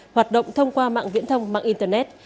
hoạt động thông qua mạng viễn thông mạng internet